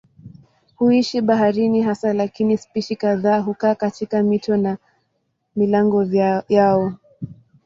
Huishi baharini hasa lakini spishi kadhaa hukaa katika mito na milango yao.